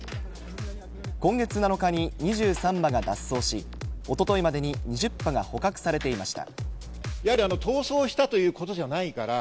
今月７日に２３羽が脱走し、一昨日までに２０羽が捕獲されていました。